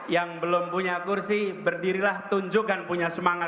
yang dari kupang